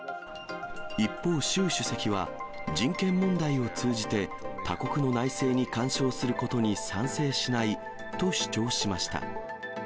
一方、習主席は、人権問題を通じて他国の内政に干渉することに賛成しないと主張しました。